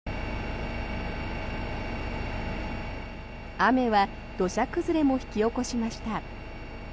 雨は土砂崩れも引き起こしました。